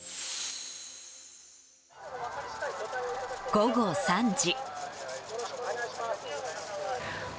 午後３時。